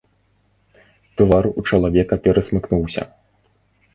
Твар у чалавека перасмыкнуўся.